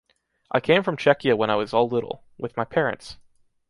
I came from Czechia when I was all little, with my parents